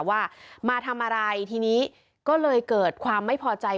ว่ามาทำอะไรทีนี้ก็เลยเกิดความไม่พอใจ